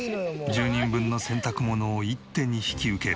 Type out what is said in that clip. １０人分の洗濯物を一手に引き受ける洗濯当番。